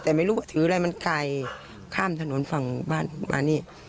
แต่ไม่รู้ว่าถืออะไรมันไกลข้ามถนนฝั่งบ้านมานี่